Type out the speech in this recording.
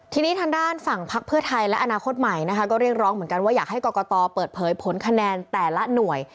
ทีนี้ทางด้านฝั่งพักเพื่อไทยและอนาคตใหม่นะคะก็เรียกร้องเหมือนกันว่าอยากให้กรกตเปิดเผยผลคะแนนแต่ละหน่วย